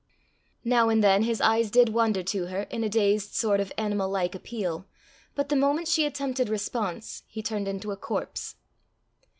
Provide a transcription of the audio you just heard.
Now and then his eyes did wander to her in a dazed sort of animal like appeal, but the moment she attempted response, he turned into a corpse.